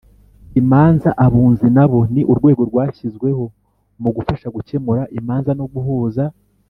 imanza Abunzi nabo ni urwego rwashyizweho mu gufasha gukemura imanza no guhuza